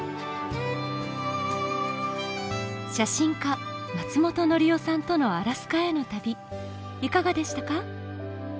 写真家松本紀生さんとのアラスカへの旅いかがでしたか？